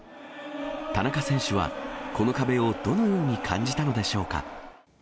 田中選手は、この壁をどのように感じたのでしょうか。